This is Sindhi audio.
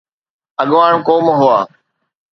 اڳواڻ قوم هئا.